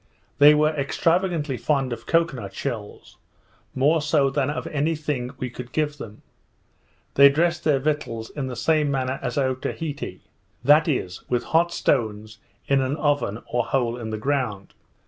They were extravagantly fond of cocoa nut shells, more so than of any thing we could give them. They dress their victuals in the same manner as at Otaheite; that is, with hot stones in an oven or hole in the ground.